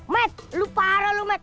met lu para lu met